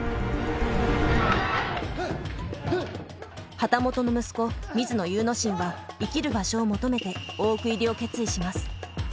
旗本の息子水野祐之進は生きる場所を求めて大奥入りを決意します。